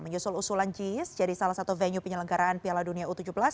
menyusul usulan jis jadi salah satu venue penyelenggaraan piala dunia u tujuh belas